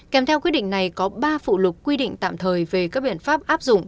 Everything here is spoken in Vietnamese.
kèm theo quyết định này có ba phụ lục quy định tạm thời về các biện pháp áp dụng